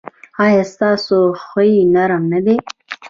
ایا ستاسو خوی نرم نه دی؟